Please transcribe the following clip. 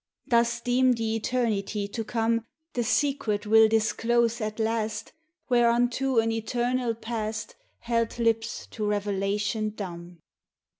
Dost deem the eternity to come The secret will disclose at last Whereunto an eternal past Held lips to revelation dumb?